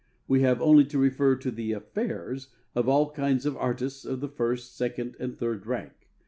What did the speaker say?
We have only to refer to the "affairs" of all kinds of artists of the first, second, and third rank.